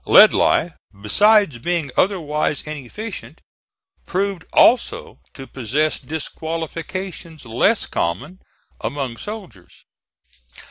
Ledlie besides being otherwise inefficient, proved also to possess disqualification less common among soldiers.